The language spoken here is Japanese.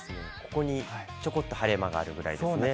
ここにちょこっと晴れ間があるぐらいですね。